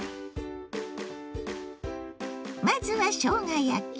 まずはしょうが焼き。